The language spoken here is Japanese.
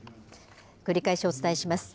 繰り返しお伝えします。